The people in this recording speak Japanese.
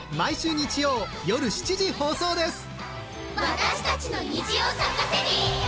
私たちの虹を咲かせに！